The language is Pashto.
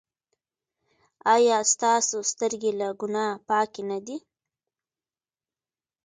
ایا ستاسو سترګې له ګناه پاکې نه دي؟